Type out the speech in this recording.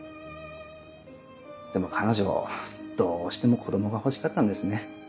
でも彼女どうしても子供が欲しかったんですね。